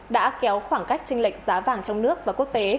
đã kéo khoảng cách tranh lệch giá vàng trong nước và quốc tế